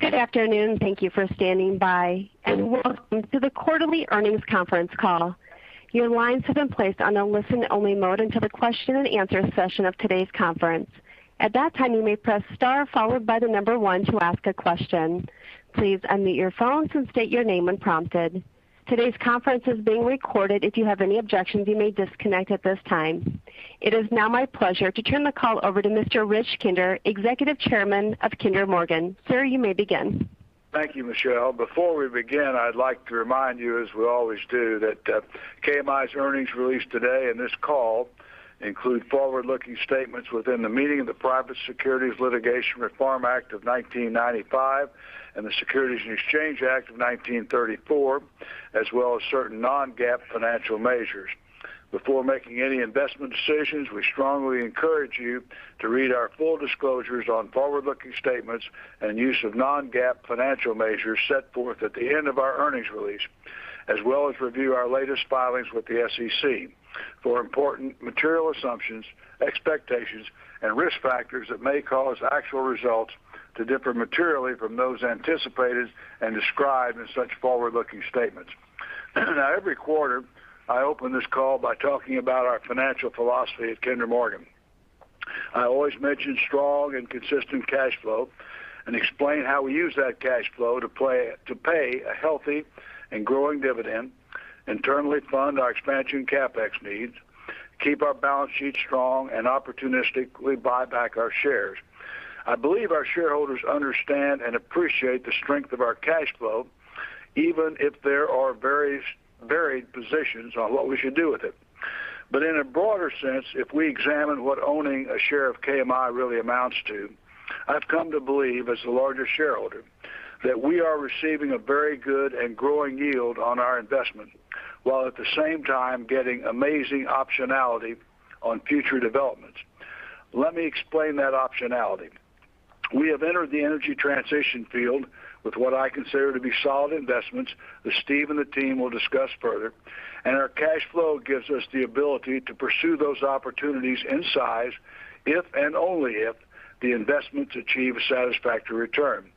Good afternoon. Thank you for standing by, and welcome to the quarterly earnings conference call. Your lines have been placed on a listen-only mode until the questions-and-answer session of today's conference. At that time you may press star followed by number one to ask a question. Please unmute your phone to state your name and prompted. Today's conference is being recorded. If you have any objection, you may disconnect at this time. It is now my pleasure to turn the call over to Mr. Rich Kinder, Executive Chairman of Kinder Morgan. Sir, you may begin. Thank you, Michelle. Before we begin, I'd like to remind you, as we always do, that KMI's earnings release today and this call include forward-looking statements within the meaning of the Private Securities Litigation Reform Act of 1995 and the Securities Exchange Act of 1934, as well as certain non-GAAP financial measures. Before making any investment decisions, we strongly encourage you to read our full disclosures on forward-looking statements and use of non-GAAP financial measures set forth at the end of our earnings release, as well as review our latest filings with the SEC for important material assumptions, expectations, and risk factors that may cause actual results to differ materially from those anticipated and described in such forward-looking statements. Every quarter, I open this call by talking about our financial philosophy at Kinder Morgan. I always mention strong and consistent cash flow and explain how we use that cash flow to pay a healthy and growing dividend, internally fund our expansion CapEx needs, keep our balance sheet strong, and opportunistically buy back our shares. I believe our shareholders understand and appreciate the strength of our cash flow, even if there are varied positions on what we should do with it. In a broader sense, if we examine what owning a share of KMI really amounts to, I've come to believe, as the largest shareholder, that we are receiving a very good and growing yield on our investment, while at the same time getting amazing optionality on future developments. Let me explain that optionality. We have entered the energy transition field with what I consider to be solid investments that Steve and the team will discuss further, and our cash flow gives us the ability to pursue those opportunities in size if and only if the investments achieve a satisfactory return.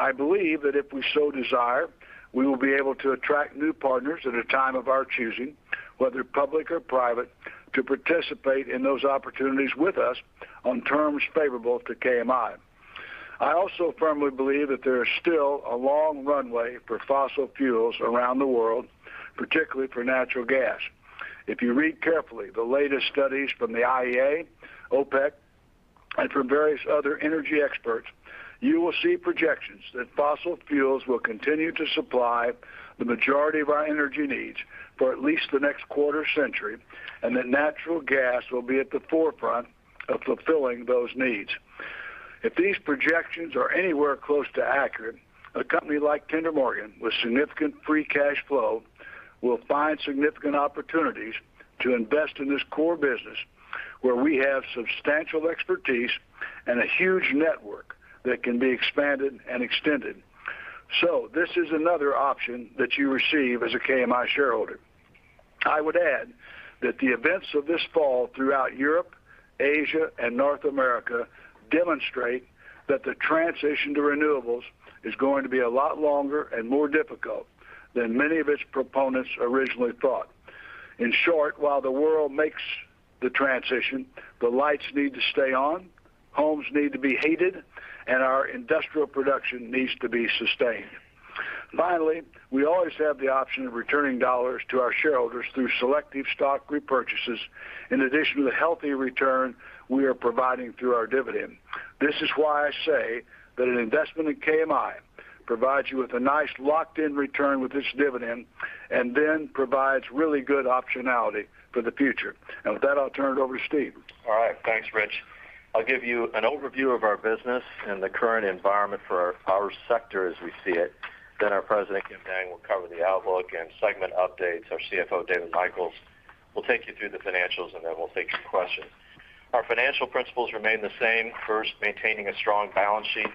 I believe that if we so desire, we will be able to attract new partners at a time of our choosing, whether public or private, to participate in those opportunities with us on terms favorable to KMI. I also firmly believe that there is still a long runway for fossil fuels around the world, particularly for natural gas. If you read carefully the latest studies from the IEA, OPEC, and from various other energy experts, you will see projections that fossil fuels will continue to supply the majority of our energy needs for at least the next quarter-century, and that natural gas will be at the forefront of fulfilling those needs. If these projections are anywhere close to accurate, a company like Kinder Morgan with significant free cash flow will find significant opportunities to invest in this core business where we have substantial expertise and a huge network that can be expanded and extended. This is another option that you receive as a KMI shareholder. I would add that the events of this fall throughout Europe, Asia, and North America demonstrate that the transition to renewables is going to be a lot longer and more difficult than many of its proponents originally thought. In short, while the world makes the transition, the lights need to stay on, homes need to be heated, and our industrial production needs to be sustained. Finally, we always have the option of returning dollars to our shareholders through selective stock repurchases, in addition to the healthy return we are providing through our dividend. This is why I say that an investment in KMI provides you with a nice locked-in return with its dividend and then provides really good optionality for the future. With that, I'll turn it over to Steve. All right. Thanks, Rich. I'll give you an overview of our business and the current environment for our power sector as we see it. Our President, Kim Dang, will cover the outlook and segment updates. Our CFO, David Michels, will take you through the financials, and then we'll take some questions. Our financial principles remain the same. First, maintaining a strong balance sheet.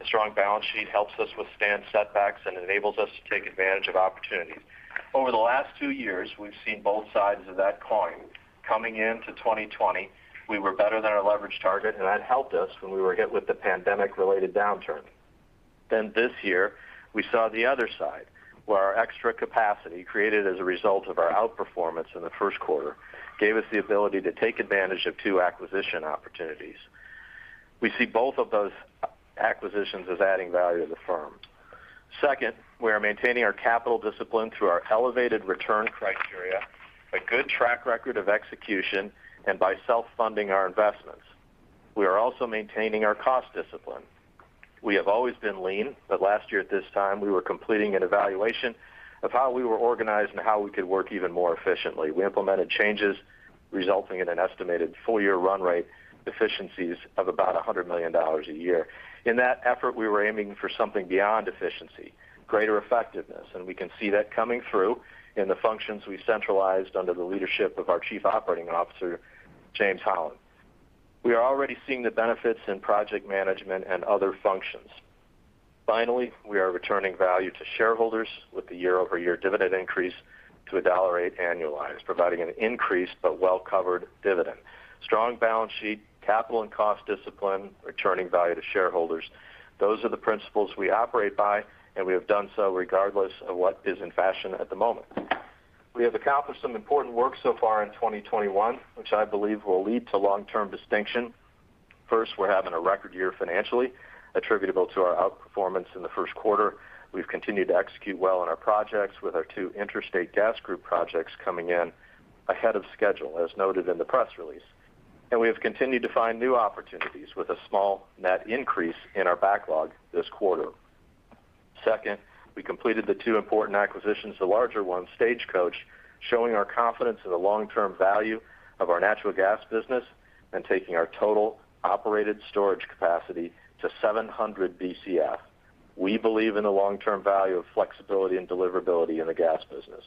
A strong balance sheet helps us withstand setbacks and enables us to take advantage of opportunities. Over the last two years, we've seen both sides of that coin. Coming into 2020, we were better than our leverage target, and that helped us when we were hit with the pandemic-related downturn. This year, we saw the other side, where our extra capacity, created as a result of our outperformance in the first quarter, gave us the ability to take advantage of two acquisition opportunities. We see both of those acquisitions as adding value to the firm. Second, we are maintaining our capital discipline through our elevated return criteria, a good track record of execution, and by self-funding our investments. We are also maintaining our cost discipline. We have always been lean, but last year at this time, we were completing an evaluation of how we were organized and how we could work even more efficiently. We implemented changes resulting in an estimated full-year run rate efficiencies of about $100 million a year. In that effort, we were aiming for something beyond efficiency, greater effectiveness, and we can see that coming through in the functions we centralized under the leadership of our Chief Operating Officer, James Holland. We are already seeing the benefits in project management and other functions. We are returning value to shareholders with the year-over-year dividend increase to $1.08 annualized, providing an increase but well-covered dividend. Strong balance sheet, capital and cost discipline, returning value to shareholders. Those are the principles we operate by, and we have done so regardless of what is in fashion at the moment. We have accomplished some important work so far in 2021, which I believe will lead to long-term distinction. First, we're having a record year financially attributable to our outperformance in the first quarter. We've continued to execute well on our projects with our two interstate gas group projects coming in ahead of schedule, as noted in the press release. We have continued to find new opportunities with a small net increase in our backlog this quarter. Second, we completed the two important acquisitions, the larger one, Stagecoach, showing our confidence in the long-term value of our natural gas business and taking our total operated storage capacity to 700 BCF. We believe in the long-term value of flexibility and deliverability in the gas business.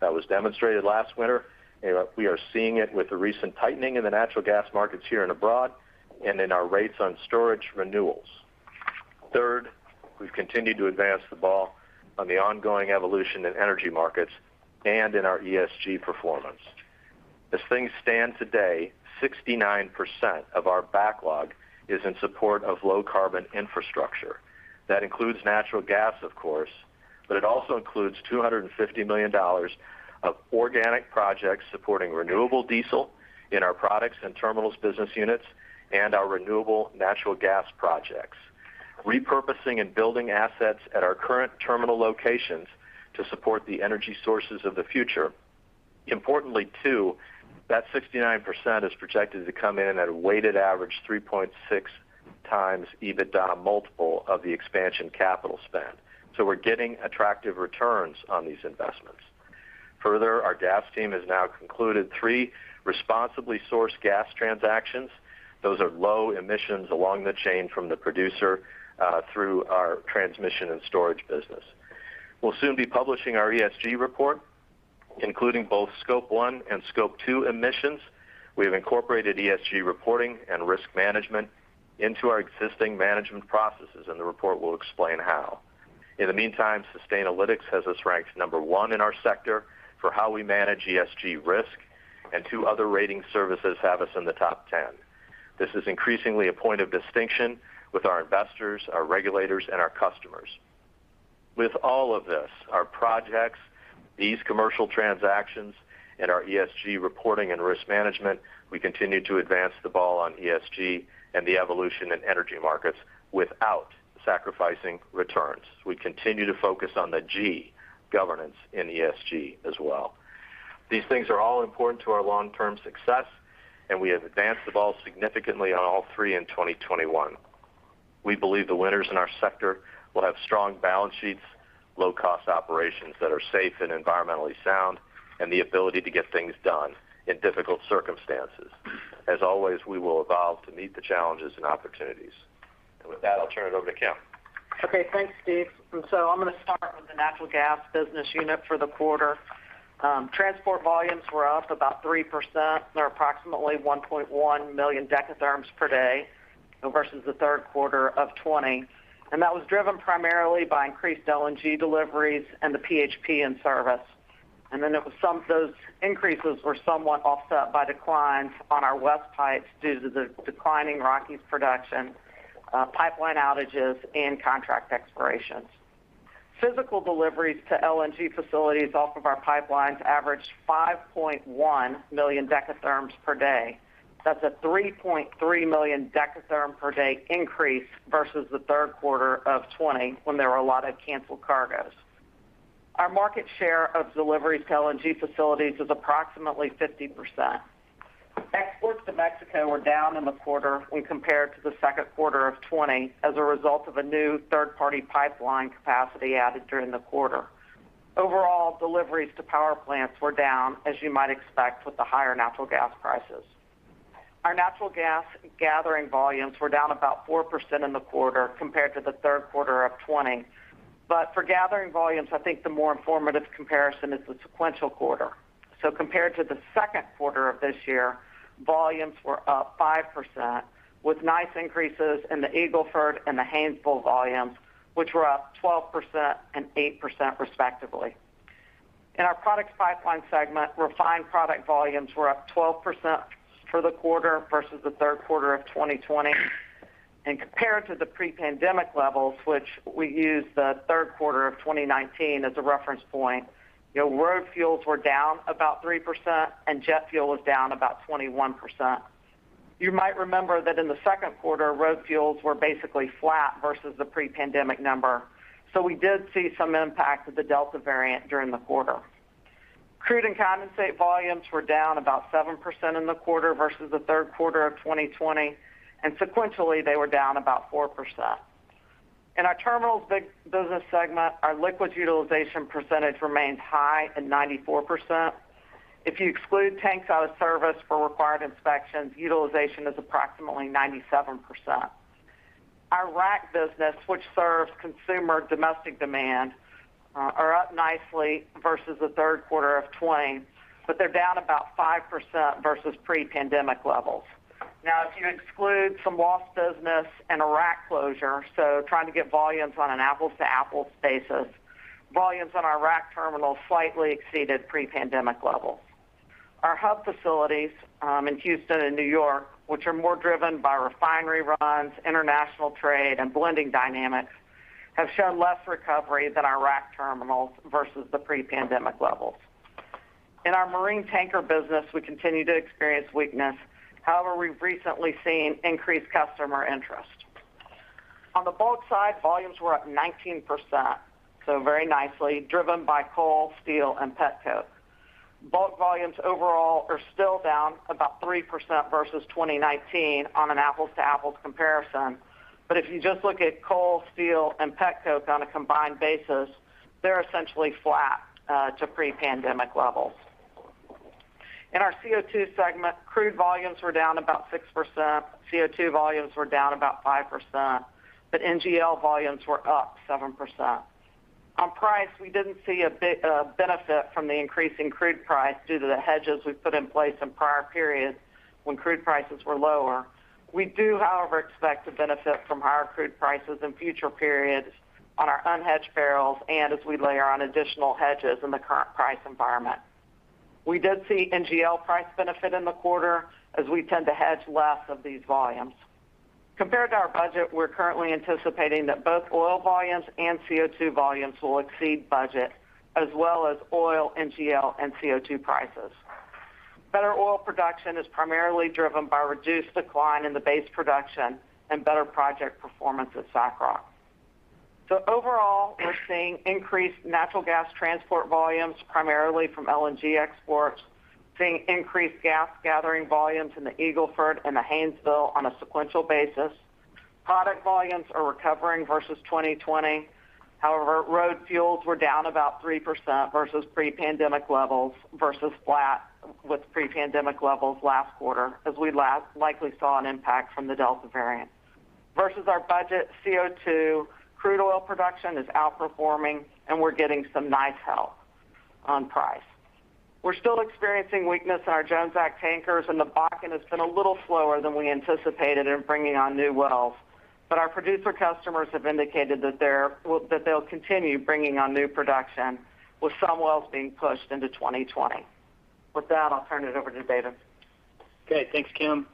That was demonstrated last winter. We are seeing it with the recent tightening in the natural gas markets here and abroad and in our rates on storage renewals. Third, we've continued to advance the ball on the ongoing evolution in energy markets and in our ESG performance. As things stand today, 69% of our backlog is in support of low carbon infrastructure. That includes natural gas, of course, but it also includes $250 million of organic projects supporting renewable diesel in our products and terminals business units, and our renewable natural gas projects. Repurposing and building assets at our current terminal locations to support the energy sources of the future. Importantly, too, that 69% is projected to come in at a weighted average 3.6x EBITDA multiple of the expansion capital spend. We're getting attractive returns on these investments. Further, our gas team has now concluded three responsibly sourced gas transactions. Those are low emissions along the chain from the producer, through our transmission and storage business. We'll soon be publishing our ESG report, including both scope one and scope two emissions. We have incorporated ESG reporting and risk management into our existing management processes. The report will explain how. In the meantime, Sustainalytics has us ranked number one in our sector for how we manage ESG risk, and two other rating services have us in the top 10. This is increasingly a point of distinction with our investors, our regulators, and our customers. With all of this, our projects, these commercial transactions, and our ESG reporting and risk management, we continue to advance the ball on ESG and the evolution in energy markets without sacrificing returns. We continue to focus on the G, governance in ESG as well. These things are all important to our long-term success. We have advanced the ball significantly on all three in 2021. We believe the winners in our sector will have strong balance sheets, low-cost operations that are safe and environmentally sound, and the ability to get things done in difficult circumstances. As always, we will evolve to meet the challenges and opportunities. With that, I'll turn it over to Kim. Okay, thanks, Steve. I'm going to start with the natural gas business unit for the quarter. Transport volumes were up about 3%, or approximately 1.1 million dekatherms per day versus the third quarter of 2020. That was driven primarily by increased LNG deliveries and the PHP in service. Some of those increases were somewhat offset by declines on our west pipes due to the declining Rockies production, pipeline outages, and contract expirations. Physical deliveries to LNG facilities off of our pipelines averaged 5.1 million dekatherms per day. That's a 3.3 million dekatherm per day increase versus the third quarter of 2020, when there were a lot of canceled cargoes. Our market share of deliveries to LNG facilities is approximately 50%. Exports to Mexico were down in the quarter when compared to the second quarter of 2020 as a result of a new third-party pipeline capacity added during the quarter. Overall, deliveries to power plants were down, as you might expect with the higher natural gas prices. Our natural gas gathering volumes were down about 4% in the quarter compared to the third quarter of 2020. For gathering volumes, I think the more informative comparison is the sequential quarter. Compared to the second quarter of this year, volumes were up 5%, with nice increases in the Eagle Ford and the Haynesville volumes, which were up 12% and 8% respectively. In our products pipeline segment, refined product volumes were up 12% for the quarter versus the third quarter of 2020. Compared to the pre-pandemic levels, which we use the third quarter of 2019 as a reference point, road fuels were down about 3% and jet fuel was down about 21%. You might remember that in the second quarter, road fuels were basically flat versus the pre-pandemic number. We did see some impact of the Delta variant during the quarter. Crude and condensate volumes were down about 7% in the quarter versus the third quarter of 2020, and sequentially, they were down about 4%. In our Terminals Business Segment, our liquids utilization percentage remained high at 94%. If you exclude tanks out of service for required inspections, utilization is approximately 97%. Our rack business, which serves consumer domestic demand, are up nicely versus the third quarter of 2020, but they're down about 5% versus pre-pandemic levels. Now, if you exclude some lost business and a rack closure, so trying to get volumes on an apples-to-apples basis, volumes on our rack terminals slightly exceeded pre-pandemic levels. Our hub facilities in Houston and New York, which are more driven by refinery runs, international trade, and blending dynamics, have shown less recovery than our rack terminals versus the pre-pandemic levels. In our marine tanker business, we continue to experience weakness. However, we've recently seen increased customer interest. On the bulk side, volumes were up 19%, so very nicely driven by coal, steel, and petcoke. Bulk volumes overall are still down about 3% versus 2019 on an apples-to-apples comparison. If you just look at coal, steel, and petcoke on a combined basis, they're essentially flat to pre-pandemic levels. In our CO2 segment, crude volumes were down about 6%, CO2 volumes were down about 5%, but NGL volumes were up 7%. On price, we didn't see a benefit from the increase in crude price due to the hedges we put in place in prior periods when crude prices were lower. We do, however, expect to benefit from higher crude prices in future periods on our unhedged barrels and as we layer on additional hedges in the current price environment. We did see NGL price benefit in the quarter as we tend to hedge less of these volumes. Compared to our budget, we're currently anticipating that both oil volumes and CO2 volumes will exceed budget, as well as oil, NGL, and CO2 prices. Better oil production is primarily driven by reduced decline in the base production and better project performance at SACROC. Overall, we're seeing increased natural gas transport volumes, primarily from LNG exports, seeing increased gas gathering volumes in the Eagle Ford and the Haynesville on a sequential basis. Product volumes are recovering versus 2020. However, road fuels were down about 3% versus pre-pandemic levels versus flat with pre-pandemic levels last quarter, as we likely saw an impact from the Delta variant. Versus our budget, CO2 crude oil production is outperforming, and we're getting some nice help on price. We're still experiencing weakness in our Jones Act tankers and the Bakken has been a little slower than we anticipated in bringing on new wells. Our producer customers have indicated that they'll continue bringing on new production, with some wells being pushed into 2020. With that, I'll turn it over to David. Okay. Thanks, Kim.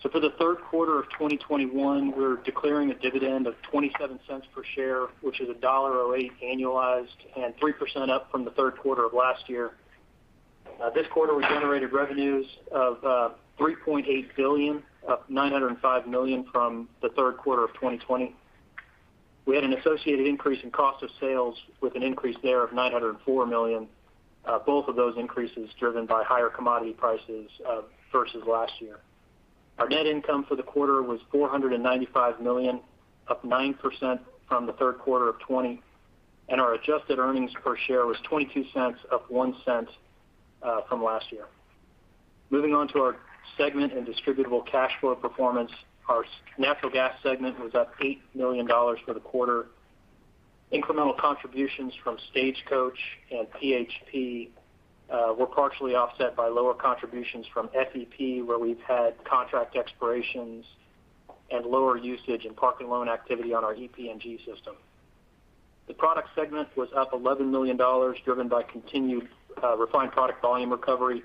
For the third quarter of 2021, we're declaring a dividend of $0.27 per share, which is $1.08 annualized and 3% up from the third quarter of last year. This quarter, we generated revenues of $3.8 billion, up $905 million from the third quarter of 2020. We had an associated increase in cost of sales with an increase there of $904 million. Both of those increases driven by higher commodity prices versus last year. Our net income for the quarter was $495 million, up 9% from the third quarter of 2020, and our adjusted earnings per share was $0.22, up $0.01 from last year. Moving on to our segment and distributable cash flow performance. Our Natural Gas segment was up $8 million for the quarter. Incremental contributions from Stagecoach and PHP were partially offset by lower contributions from FEP, where we've had contract expirations and lower usage in park and loan activity on our EPNG system. The product segment was up $11 million, driven by continued refined product volume recovery,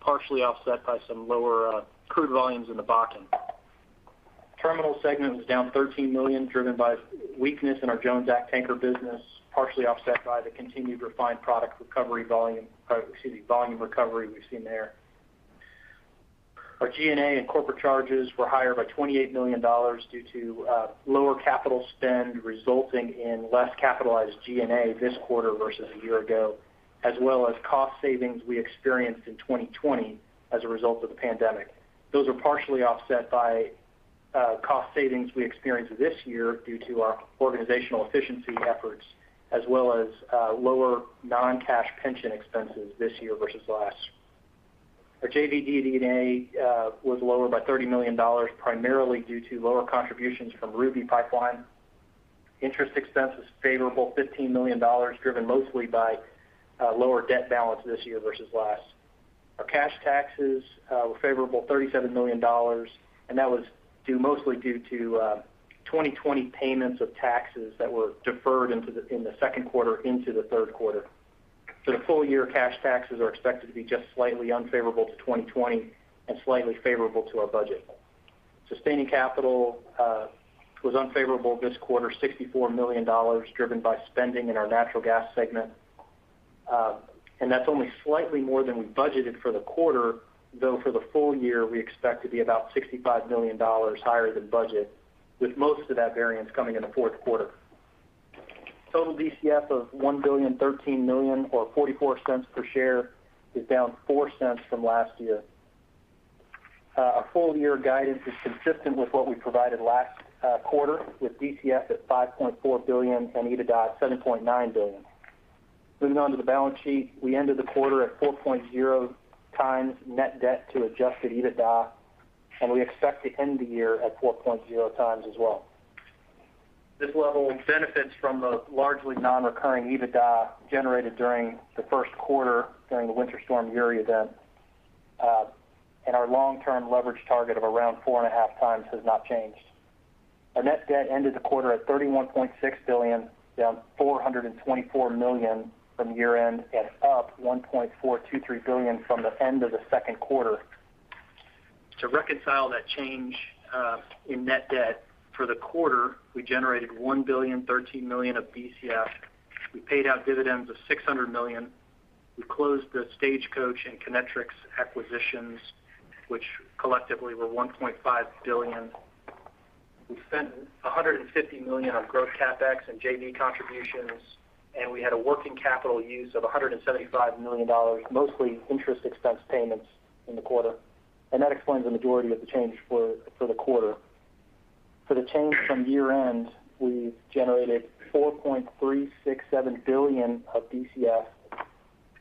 partially offset by some lower crude volumes in the Bakken. Terminal segment was down $13 million, driven by weakness in our Jones Act tanker business, partially offset by the continued refined product volume recovery we've seen there. Our G&A and corporate charges were higher by $28 million due to lower capital spend, resulting in less capitalized G&A this quarter versus a year ago, as well as cost savings we experienced in 2020 as a result of the pandemic. Those are partially offset by cost savings we experienced this year due to our organizational efficiency efforts, as well as lower non-cash pension expenses this year versus last. Our JV DD&A was lower by $30 million, primarily due to lower contributions from Ruby Pipeline. Interest expense was favorable, $15 million, driven mostly by lower debt balance this year versus last. Our cash taxes were favorable, $37 million. That was mostly due to 2020 payments of taxes that were deferred in the second quarter into the third quarter. The full-year cash taxes are expected to be just slightly unfavorable to 2020 and slightly favorable to our budget. Sustaining capital was unfavorable this quarter, $64 million, driven by spending in our natural gas segment. That's only slightly more than we budgeted for the quarter, though for the full year, we expect to be about $65 million higher than budget, with most of that variance coming in the fourth quarter. Total DCF of $1.013 billion, or $0.44 per share, is down $0.04 from last year. Our full-year guidance is consistent with what we provided last quarter, with DCF at $5.4 billion and EBITDA at $7.9 billion. Moving on to the balance sheet. We ended the quarter at 4.0x net debt to adjusted EBITDA. We expect to end the year at 4.0x as well. This level benefits from the largely non-recurring EBITDA generated during the first quarter during the Winter Storm Uri event. Our long-term leverage target of around 4.5x Has not changed. Our net debt ended the quarter at $31.6 billion, down $424 million from year-end and up $1.423 billion from the end of the second quarter. To reconcile that change in net debt for the quarter, we generated $1.013 billion of BCF. We paid out dividends of $600 million. We closed the Stagecoach and Kinetrex acquisitions, which collectively were $1.5 billion. We spent $150 million on growth CapEx and JV contributions, we had a working capital use of $175 million, mostly interest expense payments in the quarter. That explains the majority of the change for the quarter. For the change from year-end, we generated $4.367 billion of BCF,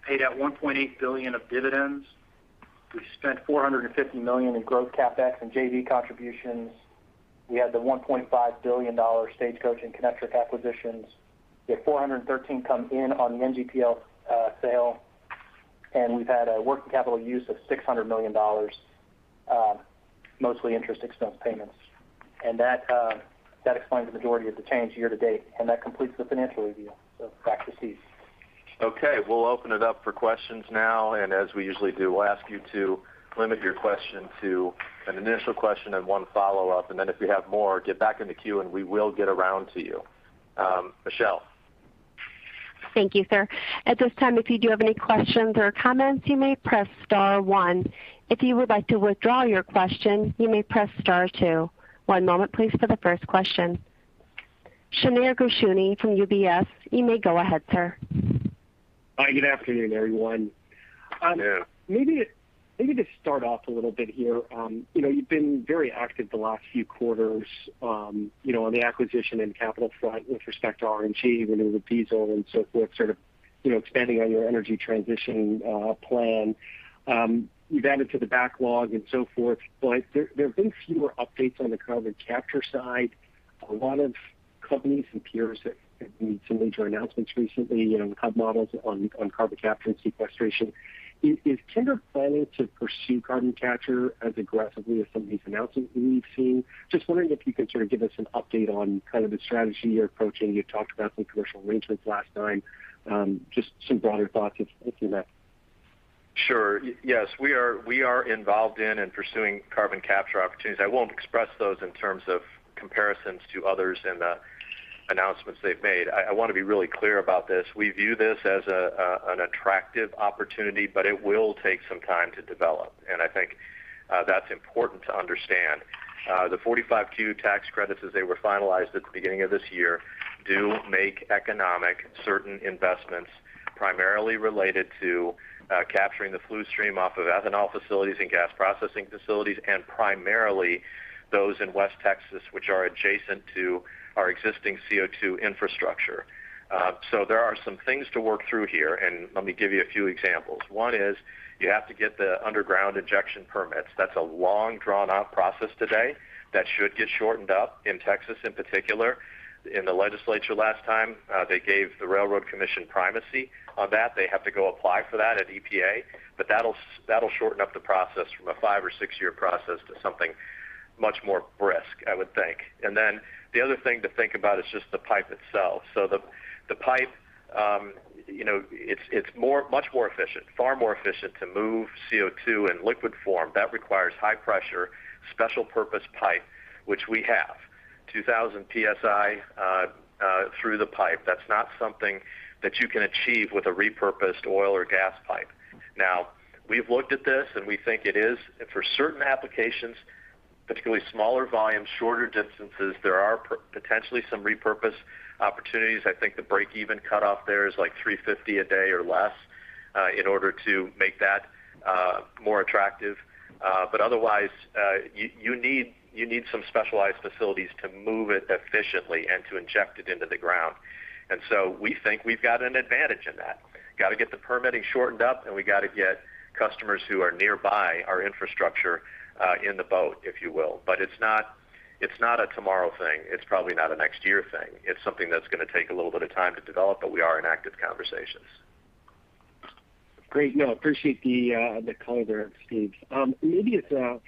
paid out $1.8 billion of dividends. We spent $450 million in growth CapEx and JV contributions. We had the $1.5 billion Stagecoach and Kinetrex acquisitions. We had $413 come in on the NGPL sale. We've had a working capital use of $600 million, mostly interest expense payments. That explains the majority of the change year-to-date. That completes the financial review. Back to Steve. Okay. We'll open it up for questions now. As we usually do, we'll ask you to limit your question to an initial question and 1 follow-up. If you have more, get back in the queue, and we will get around to you. Michelle. Thank you, sir. At this time, if you do have any questions or comments, you may press star one. If you would like to withdraw your question, you may press star two. One moment please for the first question. Shneur Gershuni from UBS, you may go ahead, sir. Hi, good afternoon, everyone. Yeah. Maybe to start off a little bit here. You've been very active the last few quarters on the acquisition and capital front with respect to RNG, renewable diesel, and so forth, sort of expanding on your energy transition plan. You've added to the backlog and so forth. There have been fewer updates on the carbon capture side. A lot of companies and peers have made some major announcements recently, hub models on carbon capture and sequestration. Is Kinder planning to pursue carbon capture as aggressively as some of these announcements we've seen? Just wondering if you could sort of give us an update on kind of the strategy you're approaching. You talked about some commercial arrangements last time. Just some broader thoughts into that. Sure. Yes, we are involved in and pursuing carbon capture opportunities. I won't express those in terms of comparisons to others and the announcements they've made. I want to be really clear about this. We view this as an attractive opportunity, but it will take some time to develop, and I think that's important to understand. The 45Q tax credits as they were finalized at the beginning of this year do make economic certain investments primarily related to capturing the flue stream off of ethanol facilities and gas processing facilities, and primarily those in West Texas, which are adjacent to our existing CO2 infrastructure. There are some things to work through here, and let me give you a few examples. One is you have to get the underground injection permits. That's a long drawn-out process today that should get shortened up in Texas, in particular. In the legislature last time, they gave the Railroad Commission primacy on that. They have to go apply for that at EPA. That'll shorten up the process from a five or six year process to something much more brisk, I would think. The other thing to think about is just the pipe itself. The pipe it's much more efficient, far more efficient to move CO2 in liquid form. That requires high pressure, special-purpose pipe, which we have. 2,000 PSI through the pipe. That's not something that you can achieve with a repurposed oil or gas pipe. We've looked at this, and we think it is for certain applications, particularly smaller volume, shorter distances, there are potentially some repurposed opportunities. I think the break-even cutoff there is like 350 a day or less in order to make that more attractive. Otherwise you need some specialized facilities to move it efficiently and to inject it into the ground. We think we've got an advantage in that. Got to get the permitting shortened up, and we got to get customers who are nearby our infrastructure in the boat, if you will. It's not a tomorrow thing. It's probably not a next year thing. It's something that's going to take a little bit of time to develop, but we are in active conversations. Great. No, appreciate the color there, Steve. Maybe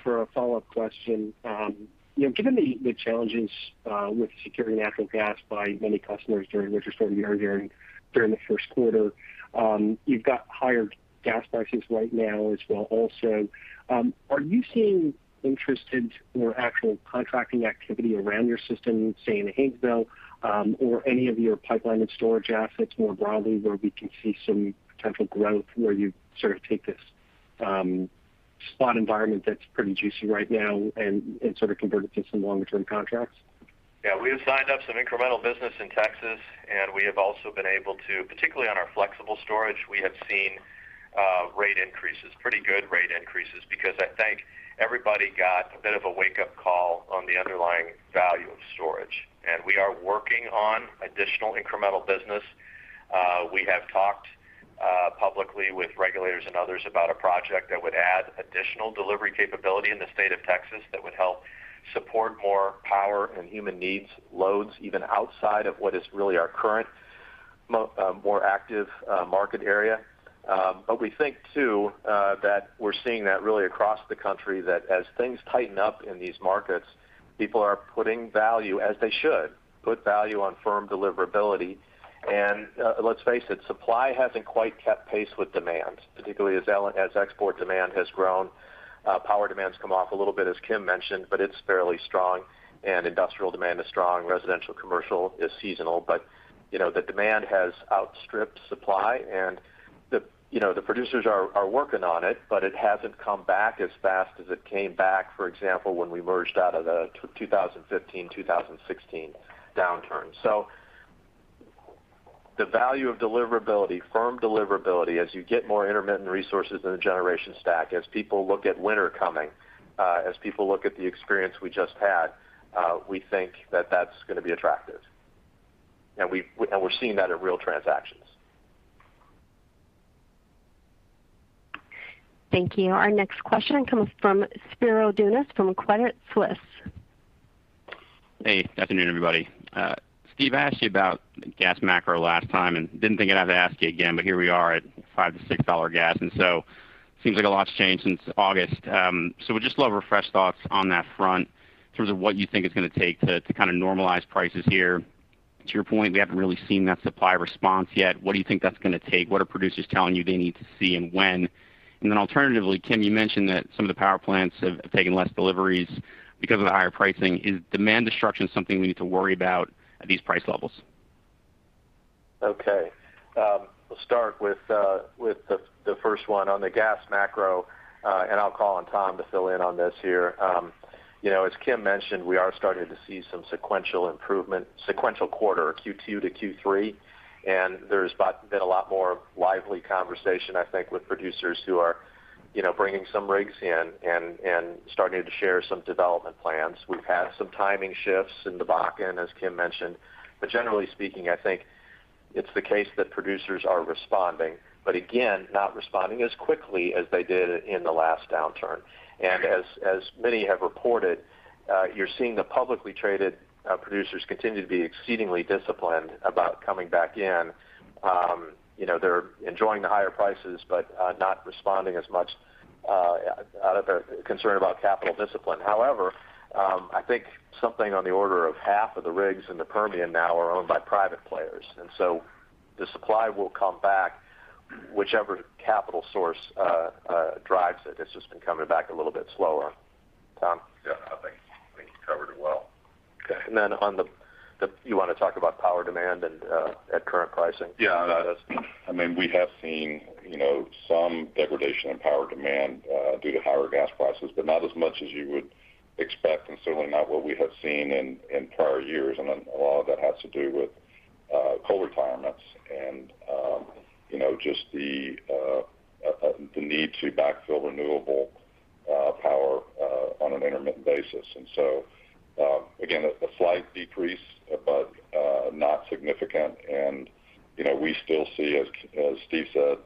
for a follow-up question. Given the challenges with securing natural gas by many customers during Winter Storm Uri during the first quarter, you've got higher gas prices right now as well also. Are you seeing interest in more actual contracting activity around your system, say in Haynesville or any of your pipeline and storage assets more broadly where we can see some potential growth where you sort of take this spot environment that's pretty juicy right now and sort of convert it to some longer-term contracts? Yeah, we have signed up some incremental business in Texas, and we have also been able to, particularly on our flexible storage, we have seen rate increases, pretty good rate increases because I think everybody got a bit of a wake-up call on the underlying value of storage. We are working on additional incremental business. We have talked publicly with regulators and others about a project that would add additional delivery capability in the state of Texas that would help support more power and human needs loads even outside of what is really our current more active market area. We think too that we're seeing that really across the country, that as things tighten up in these markets, people are putting value, as they should, put value on firm deliverability. Let's face it, supply hasn't quite kept pace with demand, particularly as export demand has grown. Power demand's come off a little bit, as Kim mentioned, but it's fairly strong. Industrial demand is strong. Residential commercial is seasonal. The demand has outstripped supply and the producers are working on it, but it hasn't come back as fast as it came back, for example, when we emerged out of the 2015, 2016 downturn. The value of deliverability, firm deliverability, as you get more intermittent resources in the generation stack, as people look at winter coming, as people look at the experience we just had, we think that that's going to be attractive. We're seeing that at real transactions. Thank you. Our next question comes from Spiro Dounis from Credit Suisse. Hey, good afternoon, everybody. Steve, I asked you about gas macro last time and didn't think I'd have to ask you again, but here we are at $5-$6 gas, and so seems like a lot's changed since August. Would just love refresh thoughts on that front in terms of what you think it's going to take to kind of normalize prices here. To your point, we haven't really seen that supply response yet. What do you think that's going to take? What are producers telling you they need to see and when? Alternatively, Kim, you mentioned that some of the power plants have taken less deliveries because of the higher pricing. Is demand destruction something we need to worry about at these price levels? Okay. We'll start with the first one on the gas macro. I'll call on Tom to fill in on this here. As Kim mentioned, we are starting to see some sequential improvement, sequential quarter, Q2-Q3. There's been a lot more lively conversation, I think, with producers who are bringing some rigs in and starting to share some development plans. We've had some timing shifts in the Bakken, as Kim mentioned. Generally speaking, I think it's the case that producers are responding, again, not responding as quickly as they did in the last downturn. As many have reported, you're seeing the publicly traded producers continue to be exceedingly disciplined about coming back in. They're enjoying the higher prices, not responding as much out of their concern about capital discipline. I think something on the order of half of the rigs in the Permian now are owned by private players, the supply will come back, whichever capital source drives it. It's just been coming back a little bit slower. Tom? Yeah, I think you covered it well. Okay. Then you want to talk about power demand at current pricing? Yeah. We have seen some degradation in power demand due to higher gas prices, but not as much as you would expect, and certainly not what we have seen in prior years. A lot of that has to do with coal retirements and just the need to backfill renewable power on an intermittent basis. Again, a slight decrease, but not significant. We still see, as Steve said,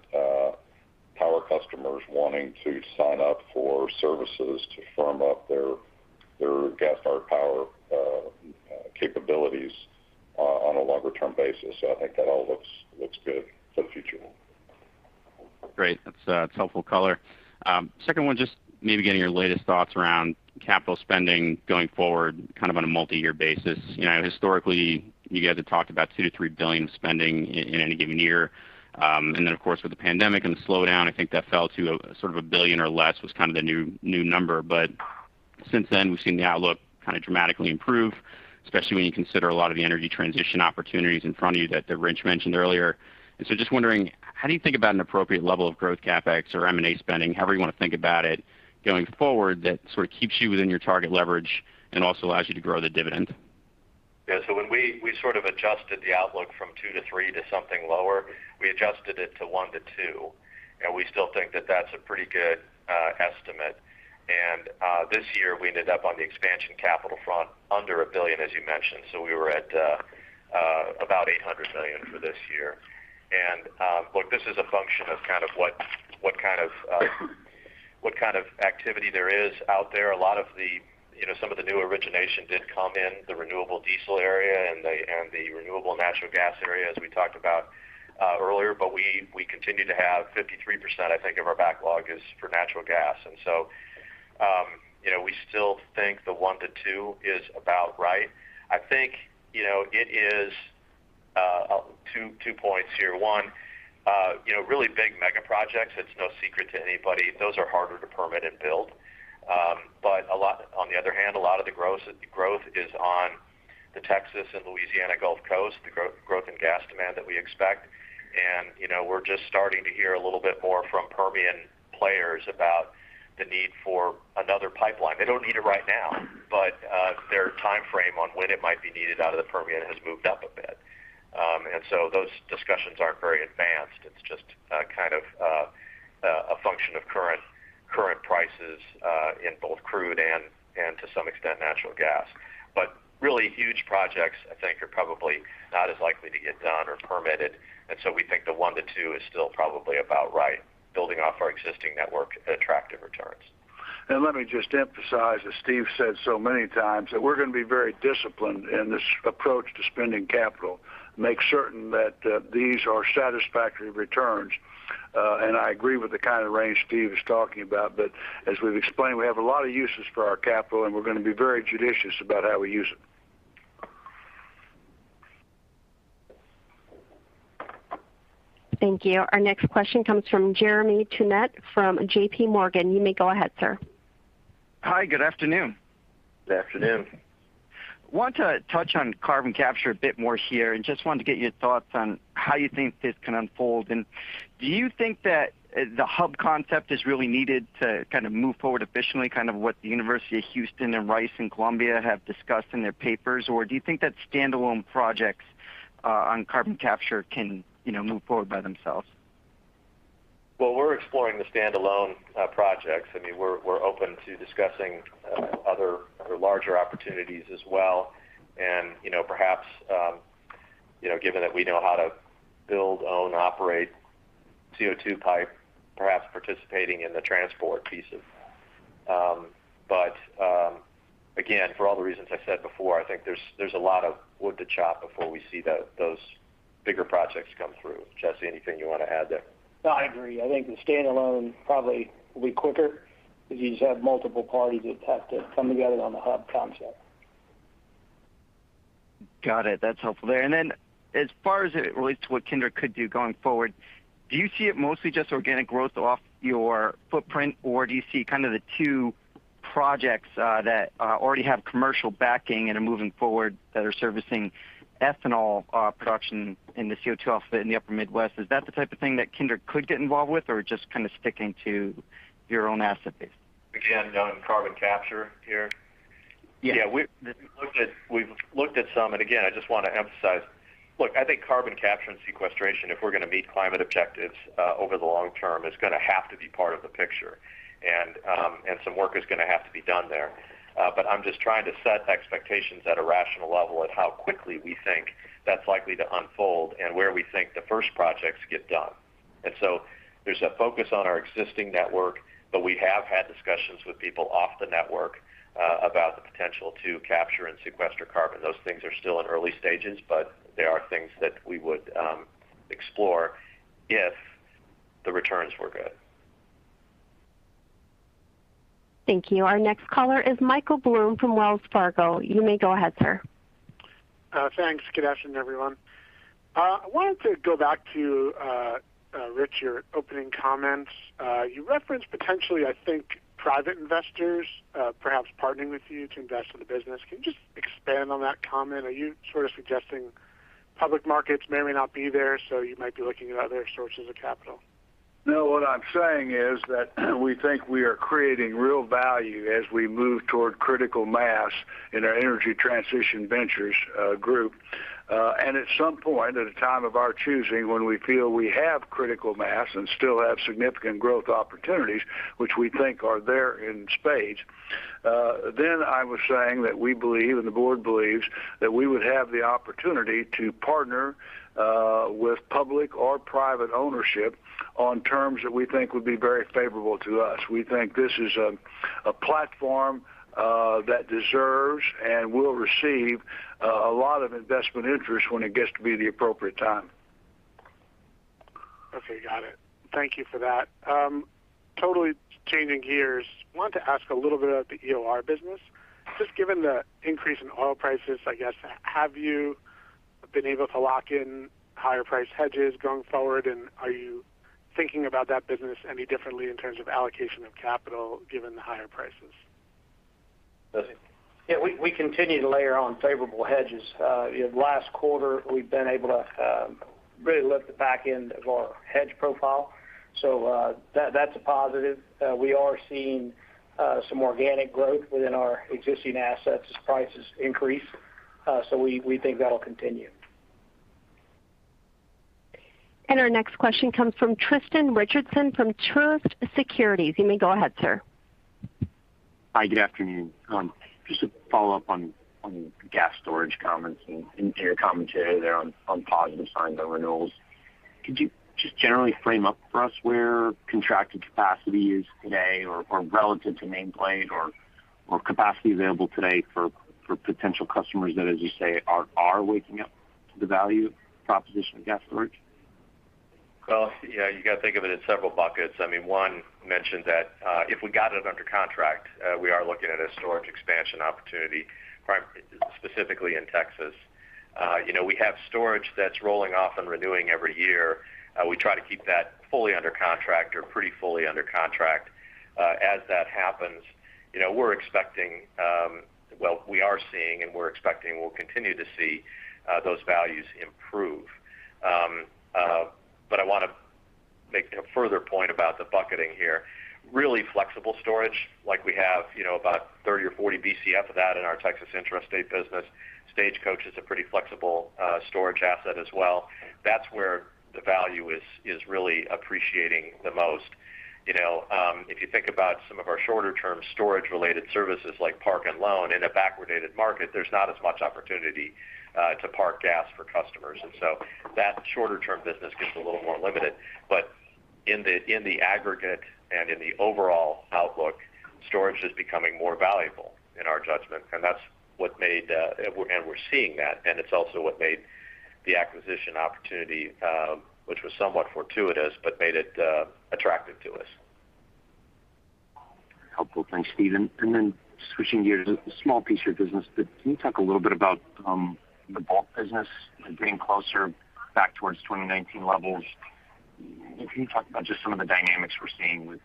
power customers wanting to sign up for services to firm up their gas-fired power capabilities on a longer-term basis. I think that all looks good for the future. Great. That's helpful color. Second one, just maybe getting your latest thoughts around capital spending going forward kind of on a multi-year basis. Historically, you guys had talked about $2 billion-$3 billion spending in any given year. Then, of course, with the pandemic and the slowdown, I think that fell to sort of $1 billion or less was kind of the new number. Since then, we've seen the outlook kind of dramatically improve, especially when you consider a lot of the energy transition opportunities in front of you that Rich mentioned earlier. Just wondering, how do you think about an appropriate level of growth CapEx or M&A spending, however you want to think about it, going forward that sort of keeps you within your target leverage and also allows you to grow the dividend? Yeah. When we sort of adjusted the outlook from $2 billion-$3 billion to something lower, we adjusted it to $1 billion-$2 billion, and we still think that that's a pretty good estimate. This year, we ended up on the expansion capital front under $1 billion, as you mentioned. We were at about $800 million for this year. Look, this is a function of kind of what kind of activity there is out there. Some of the new origination did come in the renewable diesel area and the renewable natural gas area, as we talked about earlier. We continue to have 53%, I think, of our backlog is for natural gas. We still think the $1 billion-$2 billion is about right. I think it is two points here. One, really big mega projects, it's no secret to anybody, those are harder to permit and build. On the other hand, a lot of the growth is on the Texas and Louisiana Gulf Coast, the growth in gas demand that we expect, and we're just starting to hear a little bit more from Permian players about the need for another pipeline. They don't need it right now, but their timeframe on when it might be needed out of the Permian has moved up a bit. Those discussions aren't very advanced. It's just kind of a function of current prices in both crude and to some extent, natural gas. Really huge projects, I think are probably not as likely to get done or permitted. We think the $1 billion-$2 billion is still probably about right, building off our existing network at attractive returns. Let me just emphasize, as Steve said so many times, that we're going to be very disciplined in this approach to spending capital, make certain that these are satisfactory returns. I agree with the kind of range Steve is talking about. As we've explained, we have a lot of uses for our capital, and we're going to be very judicious about how we use it. Thank you. Our next question comes from Jeremy Tonet from JPMorgan. You may go ahead, sir. Hi, good afternoon. Good afternoon. Want to touch on carbon capture a bit more here, and just wanted to get your thoughts on how you think this can unfold. Do you think that the hub concept is really needed to move forward efficiently, kind of what the University of Houston and Rice and Columbia have discussed in their papers? Do you think that standalone projects on carbon capture can move forward by themselves? Well, we're exploring the standalone projects. I mean, we're open to discussing other larger opportunities as well. Perhaps, given that we know how to build, own, operate CO2 pipe, perhaps participating in the transport pieces. Again, for all the reasons I said before, I think there's a lot of wood to chop before we see those bigger projects come through. Jesse, anything you want to add there? No, I agree. I think the standalone probably will be quicker because you just have multiple parties that have to come together on the hub concept. Got it. That's helpful there. As far as it relates to what Kinder could do going forward, do you see it mostly just organic growth off your footprint, or do you see the two projects that already have commercial backing and are moving forward that are servicing ethanol production in the CO2 offset in the upper Midwest? Is that the type of thing that Kinder could get involved with or just kind of sticking to your own asset base? Again, on carbon capture here? Yeah. Yeah, we've looked at some, and again, I just want to emphasize. Look, I think carbon capture and sequestration, if we're going to meet climate objectives over the long term, is going to have to be part of the picture. Some work is going to have to be done there. I'm just trying to set expectations at a rational level at how quickly we think that's likely to unfold and where we think the first projects get done. There's a focus on our existing network, but we have had discussions with people off the network about the potential to capture and sequester carbon. Those things are still in early stages, but they are things that we would explore if the returns were good. Thank you. Our next caller is Michael Blum from Wells Fargo. You may go ahead, sir. Thanks. Good afternoon, everyone. I wanted to go back to Rich, your opening comments. You referenced potentially, I think, private investors perhaps partnering with you to invest in the business. Can you just expand on that comment? Are you sort of suggesting public markets may or may not be there, so you might be looking at other sources of capital? No, what I'm saying is that we think we are creating real value as we move toward critical mass in our energy transition ventures group. At some point, at a time of our choosing, when we feel we have critical mass and still have significant growth opportunities, which we think are there in spades, then I was saying that we believe and the board believes that we would have the opportunity to partner with public or private ownership on terms that we think would be very favorable to us. We think this is a platform that deserves and will receive a lot of investment interest when it gets to be the appropriate time. Okay, got it. Thank you for that. Totally changing gears. Wanted to ask a little bit about the EOR business. Just given the increase in oil prices, I guess, have you been able to lock in higher price hedges going forward, and are you thinking about that business any differently in terms of allocation of capital given the higher prices? Jesse? Yeah, we continue to layer on favorable hedges. Last quarter, we've been able to really lift the back end of our hedge profile. That's a positive. We are seeing some organic growth within our existing assets as prices increase. We think that'll continue. Our next question comes from Tristan Richardson from Truist Securities. You may go ahead, sir. Hi, good afternoon. Just to follow up on gas storage comments and your commentary there on positive signs on renewals. Could you just generally frame up for us where contracted capacity is today or relative to nameplate or capacity available today for potential customers that, as you say, are waking up to the value proposition of gas storage? Well, yeah, you got to think of it in several buckets. I mean, one mentioned that if we got it under contract, we are looking at a storage expansion opportunity, specifically in Texas. We have storage that's rolling off and renewing every year. We try to keep that fully under contract or pretty fully under contract. As that happens, well, we are seeing and we're expecting we'll continue to see those values improve. I want to make a further point about the bucketing here. Really flexible storage, like we have about 30 BCF or 40 BCF of that in our Texas intrastate business. Stagecoach is a pretty flexible storage asset as well. That's where the value is really appreciating the most. If you think about some of our shorter-term storage-related services like park and loan in a backward dated market, there's not as much opportunity to park gas for customers. That shorter-term business gets a little more limited. In the aggregate and in the overall outlook, storage is becoming more valuable in our judgment. We're seeing that, and it's also what made the acquisition opportunity, which was somewhat fortuitous, but made it attractive to us. Helpful. Thanks, Steven. Then switching gears, a small piece of your business, but can you talk a little bit about the bulk business getting closer back towards 2019 levels? Can you talk about just some of the dynamics we're seeing with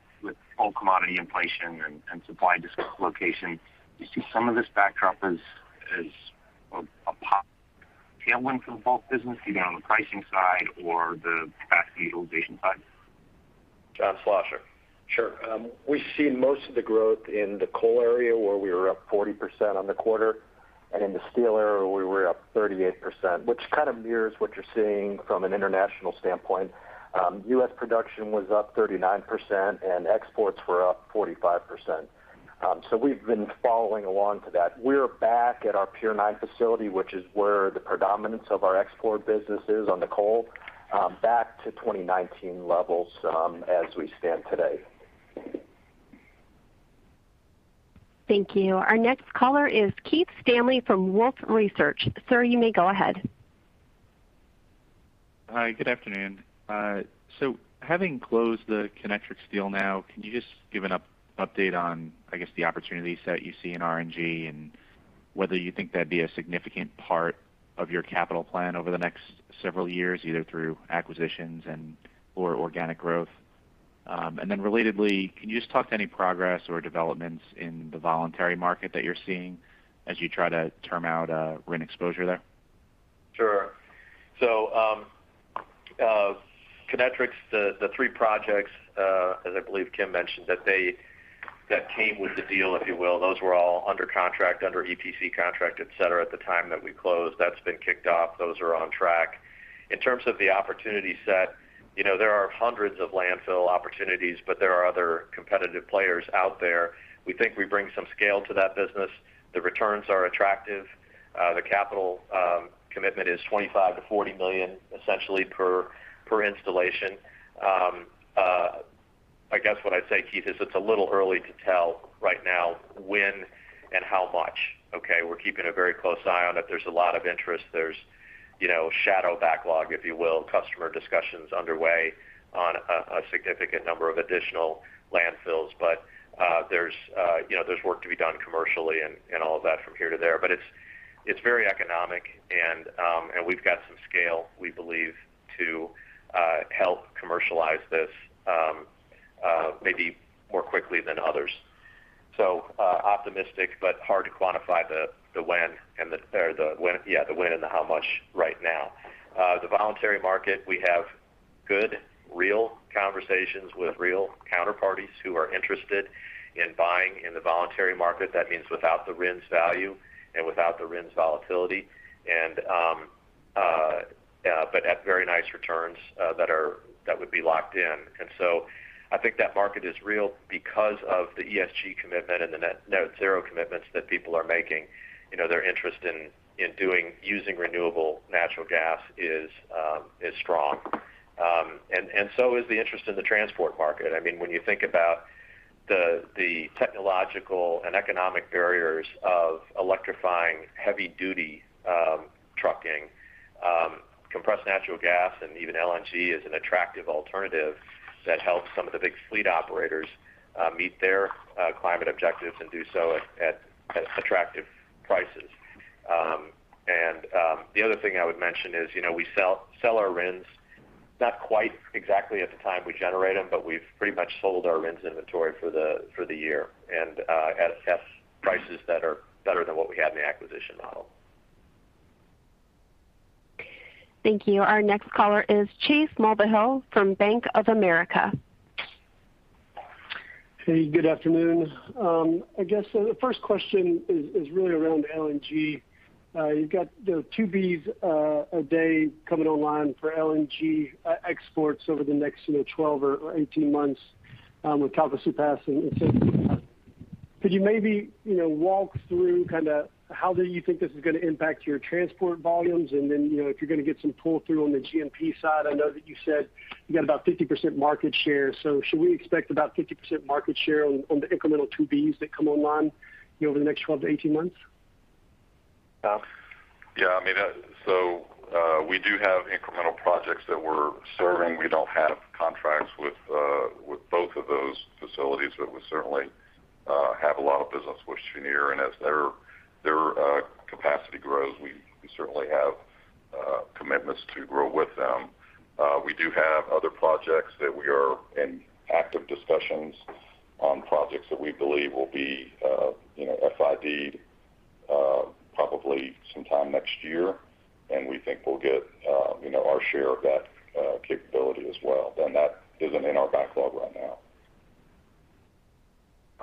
bulk commodity inflation and supply dislocation? Do you see some of this backdrop as a pop tailwind for the bulk business, either on the pricing side or the capacity utilization side? John Schlosser? Sure. We've seen most of the growth in the coal area where we were up 40% on the quarter, and in the steel area we were up 38%, which kind of mirrors what you're seeing from an international standpoint. U.S. production was up 39% and exports were up 45%. We've been following along to that. We're back at our Pier IX facility, which is where the predominance of our export business is on the coal, back to 2019 levels as we stand today. Thank you. Our next caller is Keith Stanley from Wolfe Research. Sir, you may go ahead. Hi, good afternoon. Having closed the Kinetrex Energy deal now, can you just give an update on, I guess, the opportunity set you see in RNG and whether you think that'd be a significant part of your capital plan over the next several years, either through acquisitions and/or organic growth? Relatedly, can you just talk to any progress or developments in the voluntary market that you're seeing as you try to term out RIN exposure there? Sure. Kinetrex Energy, the three projects as I believe Kim mentioned that came with the deal, if you will, those were all under contract, under EPC contract, etc, at the time that we closed. That's been kicked off. Those are on track. In terms of the opportunity set, there are hundreds of landfill opportunities, but there are other competitive players out there. We think we bring some scale to that business. The returns are attractive. The capital commitment is $25 million-$40 million essentially per installation. I guess what I'd say, Keith, is it's a little early to tell right now when and how much, okay? We're keeping a very close eye on it. There's a lot of interest. There's shadow backlog, if you will, customer discussions underway on a significant number of additional landfills. There's work to be done commercially and all of that from here to there. It's very economic and we've got some scale, we believe, to help commercialize this maybe more quickly than others. Optimistic but hard to quantify the when and the how much right now. The voluntary market, we have good real conversations with real counterparties who are interested in buying in the voluntary market. That means without the RINs value and without the RINs volatility, but at very nice returns that would be locked in. I think that market is real because of the ESG commitment and the net zero commitments that people are making. Their interest in using renewable natural gas is strong. Is the interest in the transport market. When you think about the technological and economic barriers of electrifying heavy duty trucking, compressed natural gas and even LNG is an attractive alternative that helps some of the big fleet operators meet their climate objectives and do so at attractive prices. The other thing I would mention is we sell our RINs not quite exactly at the time we generate them, but we've pretty much sold our RINs inventory for the year and at prices that are better than what we had in the acquisition model. Thank you. Our next caller is Chase Mulvehill from Bank of America. Hey, good afternoon. I guess the first question is really around LNG. You've got the two Bs a day coming online for LNG exports over the next 12 or 18 months with Calcasieu Pass. Could you maybe walk through how do you think this is going to impact your transport volumes? If you're going to get some pull through on the G&P side, I know that you said you got about 50% market share, should we expect about 50% market share on the incremental two Bs that come online over the next 12-18 months? Tom? We do have incremental projects that we're serving. We don't have contracts with both of those facilities, we certainly have a lot of business with Cheniere. As their capacity grows, we certainly have commitments to grow with them. We do have other projects that we are in active discussions on projects that we believe will be FID probably sometime next year, we think we'll get our share of that capability as well. That isn't in our backlog right now.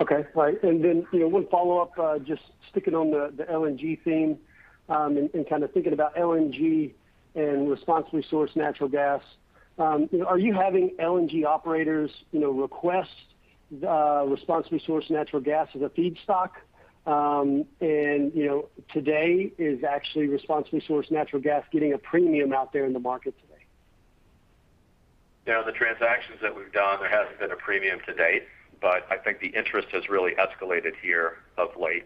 Okay. Right. One follow-up, just sticking on the LNG theme, and thinking about LNG and responsibly sourced natural gas. Are you having LNG operators request responsibly sourced natural gas as a feedstock? Today is actually responsibly sourced natural gas getting a premium out there in the market today? Yeah. The transactions that we've done, there hasn't been a premium to date, but I think the interest has really escalated here of late.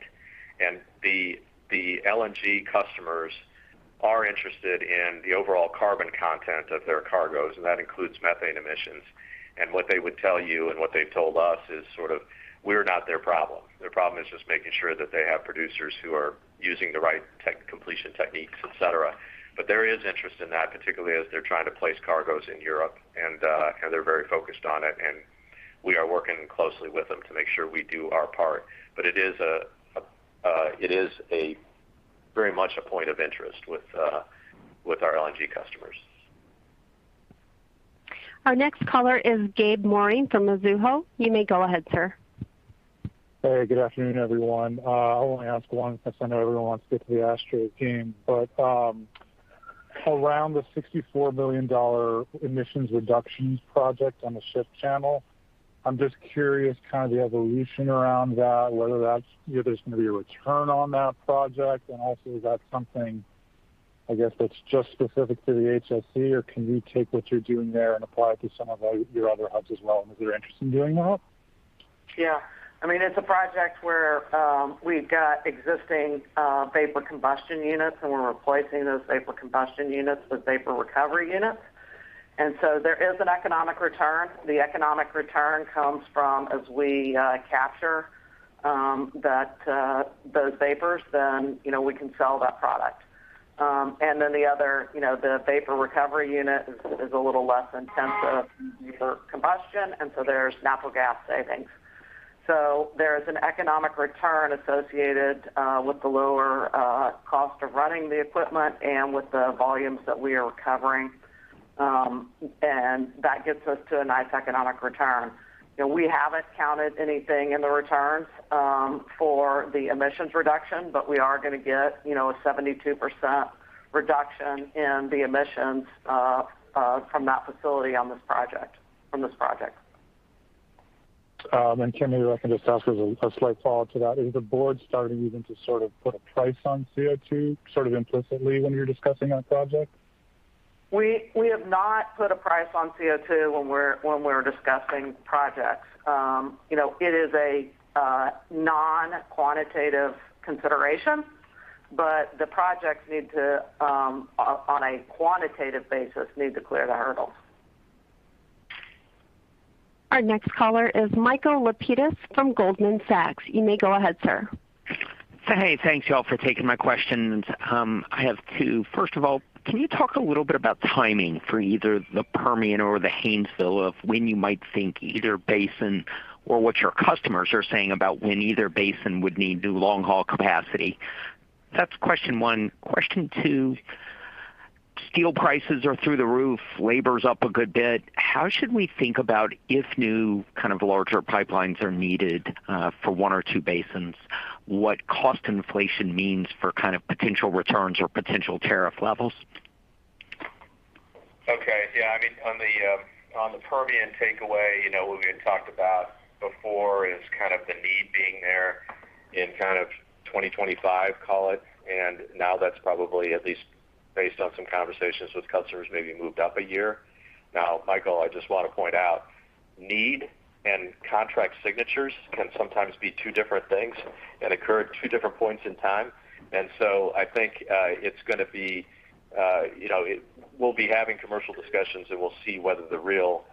The LNG customers are interested in the overall carbon content of their cargoes, and that includes methane emissions. What they would tell you, and what they've told us is sort of we're not their problem. Their problem is just making sure that they have producers who are using the right completion techniques, etc. There is interest in that, particularly as they're trying to place cargoes in Europe, and they're very focused on it, and we are working closely with them to make sure we do our part. It is very much a point of interest with our LNG customers. Our next caller is Gabe Moreen from Mizuho. You may go ahead, sir. Hey, good afternoon, everyone. I'll only ask one because I know everyone wants to get to the Astros game. Around the $64 million emissions reductions project on the Ship Channel, I'm just curious, kind of the evolution around that, whether there's going to be a return on that project. Is that something, I guess, that's just specific to the HSC, or can you take what you're doing there and apply it to some of your other hubs as well? Is there interest in doing that? Yeah. It's a project where we've got existing vapor combustion units, and we're replacing those vapor combustion units with vapor recovery units. There is an economic return. The economic return comes from as we capture those vapors, then we can sell that product. Then the other, the vapor recovery unit is a little less intensive than vapor combustion, so there's natural gas savings. There is an economic return associated with the lower cost of running the equipment and with the volumes that we are recovering. That gets us to a nice economic return. We haven't counted anything in the returns for the emissions reduction, we are going to get a 72% reduction in the emissions from that facility on this project, from this project. Kim, maybe I can just ask as a slight follow-up to that. Is the board starting even to sort of put a price on CO2 sort of implicitly when you're discussing a project? We have not put a price on CO2 when we're discussing projects. It is a non-quantitative consideration, but the projects, on a quantitative basis, need to clear the hurdle. Our next caller is Michael Lapides from Goldman Sachs. You may go ahead, sir. Hey, thanks y'all for taking my questions. I have two. First of all, can you talk a little bit about timing for either the Permian or the Haynesville, of when you might think either basin or what your customers are saying about when either basin would need new long-haul capacity? That's question one. Question two, steel prices are through the roof. Labor's up a good bit. How should we think about if new kind of larger pipelines are needed for one or two basins, what cost inflation means for potential returns or potential tariff levels? Okay. Yeah. On the Permian takeaway, what we had talked about before is kind of the need being there in kind of 2025, call it. Now that's probably, at least based on some conversations with customers, maybe moved up a year. Now, Michael, I just want to point out need and contract signatures can sometimes be two different things and occur at two different points in time. So I think we'll be having commercial discussions, and we'll see whether the real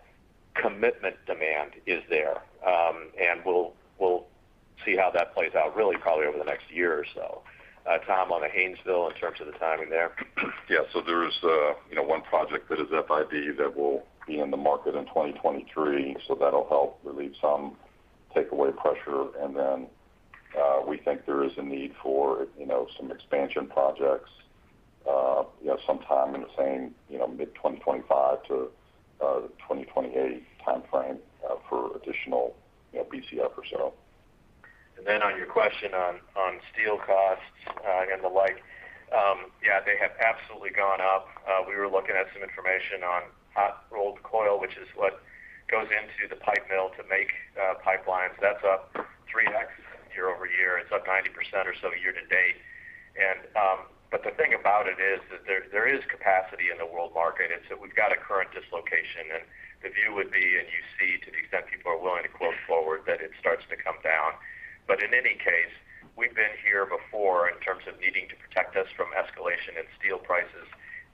commitment demand is there. We'll see how that plays out really probably over the next year or so. Tom, on the Haynesville, in terms of the timing there? Yeah. There is one project that is FID that will be in the market in 2023, so that'll help relieve some takeaway pressure. We think there is a need for some expansion projects sometime in the same mid-2025-2028 timeframe for additional BCF or so. On your question on steel costs and the like, yeah, they have absolutely gone up. We were looking at some information on hot rolled coil, which is what goes into the pipe mill to make pipelines. That is up 3x year-over-year. It is up 90% or so year-to-date. But the thing about it is that there is capacity in the world market, and so we have got a current dislocation. The view would be, and you see to the extent people are willing to quote forward, that it starts to come down. But in any case, we have been here before in terms of needing to protect us from escalation in steel prices.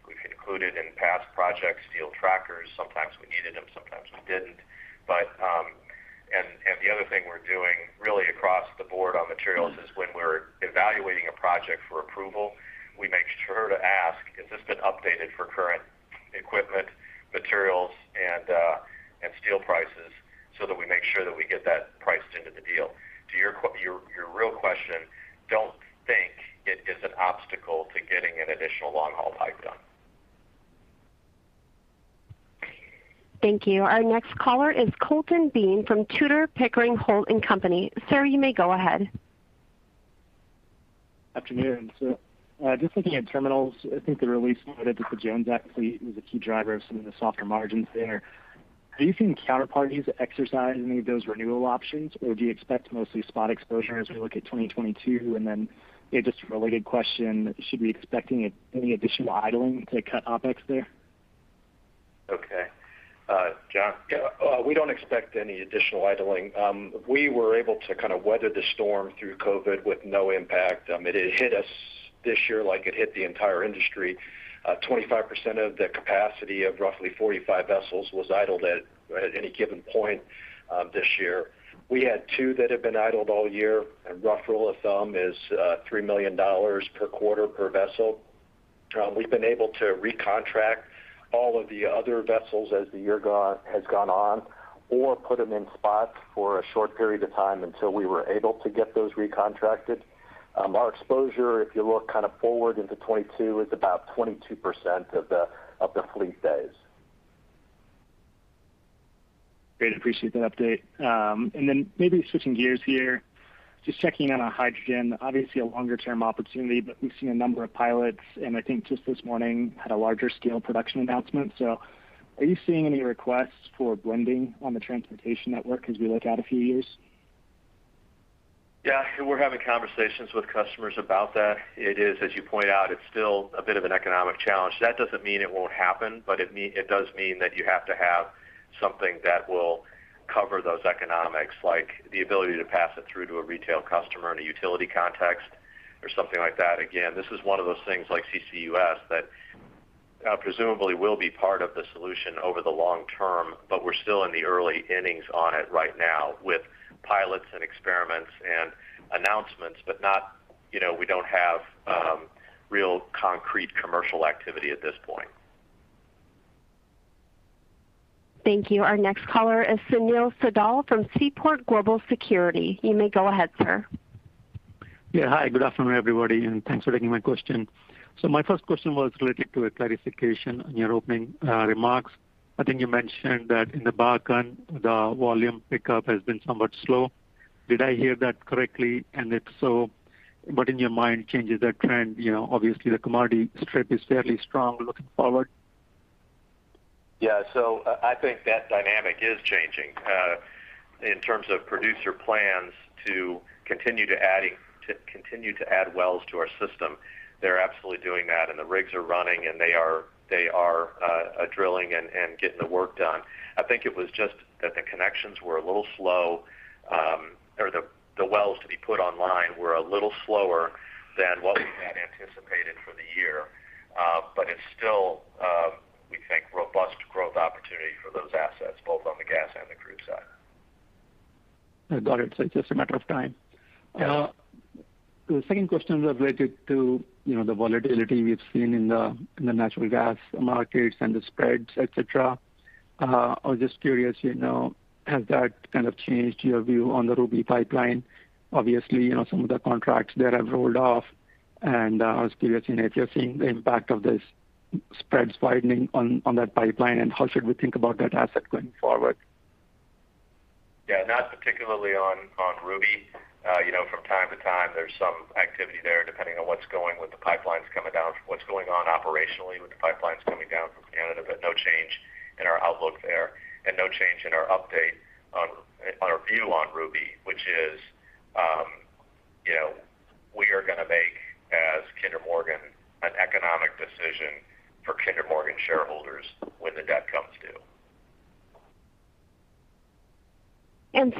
We have included in past projects steel trackers. Sometimes we needed them, sometimes we did not. The other thing we're doing really across the board on materials is when we're evaluating a project for approval, we make sure to ask, has this been updated for current equipment, materials, and steel prices so that we make sure that we get that priced into the deal. Thank you. Our next caller is Colton Bean from Tudor, Pickering, Holt and Company. Sir, you may go ahead. Afternoon, sir. Just looking at terminals, I think the release noted that the Jones Act fleet was a key driver of some of the softer margins there. Are you seeing counterparties exercise any of those renewal options, or do you expect mostly spot exposure as we look at 2022? Just a related question, should we be expecting any additional idling to cut OpEx there? Okay. John? We don't expect any additional idling. We were able to kind of weather the storm through COVID with no impact. It hit us this year like it hit the entire industry. 25% of the capacity of roughly 45 vessels was idled at any given point this year. We had two that had been idled all year, and rough rule of thumb is $3 million per quarter per vessel. We've been able to recontract all of the other vessels as the year has gone on, or put them in spots for a short period of time until we were able to get those recontracted. Our exposure, if you look kind of forward into 2022, is about 22% of the fleet days. Great. Appreciate that update. Maybe switching gears here, just checking on hydrogen. Obviously a longer-term opportunity, but we've seen a number of pilots and I think just this morning had a larger scale production announcement. Are you seeing any requests for blending on the transportation network as we look out a few years? We're having conversations with customers about that. It is, as you point out, it's still a bit of an economic challenge. That doesn't mean it won't happen, but it does mean that you have to have something that will cover those economics, like the ability to pass it through to a retail customer in a utility context or something like that. Again, this is one of those things like CCUS that presumably will be part of the solution over the long term, but we're still in the early innings on it right now with pilots and experiments and announcements, but we don't have real concrete commercial activity at this point. Thank you. Our next caller is Sunil Sibal from Seaport Global Securities. You may go ahead, sir. Yeah. Hi, good afternoon, everybody, and thanks for taking my question. My first question was related to a clarification on your opening remarks. I think you mentioned that in the Bakken, the volume pickup has been somewhat slow. Did I hear that correctly? If so, what in your mind changes that trend? Obviously the commodity strip is fairly strong looking forward. Yeah. I think that dynamic is changing. In terms of producer plans to continue to add wells to our system, they're absolutely doing that, and the rigs are running, and they are drilling and getting the work done. I think it was just that the connections were a little slow, or the wells to be put online were a little slower than what we had anticipated for the year. It's still, we think, robust growth opportunity for those assets, both on the gas and the crude side. Got it, just a matter of time. Yes. The second question is related to the volatility we've seen in the natural gas markets and the spreads, etc. I was just curious, has that kind of changed your view on the Ruby Pipeline? Obviously, some of the contracts there have rolled off, and I was curious if you're seeing the impact of this spreads widening on that pipeline, and how should we think about that asset going forward? Yeah, not particularly on Ruby. From time to time, there's some activity there, depending on what's going on operationally with the pipelines coming down from Canada, no change in our outlook there and no change in our update on our view on Ruby, which is we are going to make, as Kinder Morgan, an economic decision for Kinder Morgan shareholders when the debt comes due.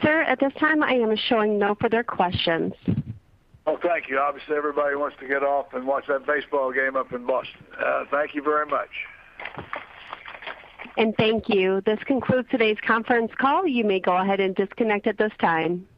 Sir, at this time, I am showing no further questions. Well, thank you. Obviously, everybody wants to get off and watch that baseball game up in Boston. Thank you very much. And thank you. This concludes today's conference call. You may go ahead and disconnect at this time.